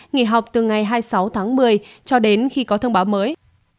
nghỉ học từ ngày hai mươi sáu tháng một mươi cho đến khi có thông báo mới